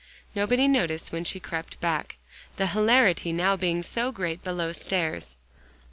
Nobody noticed when she crept back, the hilarity now being so great below stairs.